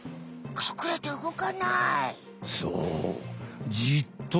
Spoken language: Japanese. かくれて動かない。